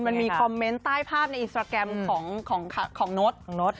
มันมีคอมเมนต์ใต้ภาพในอินสตราแกรมของโน๊ตของโน๊ต